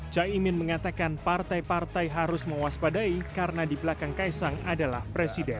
caimin mengatakan partai partai harus mewaspadai karena di belakang kaisang adalah presiden